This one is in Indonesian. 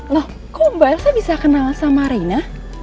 kok mbak elsa bisa kenal sama reina